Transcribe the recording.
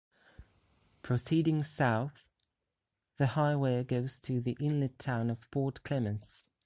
Proceeding south, the highway goes to the inlet town of Port Clements.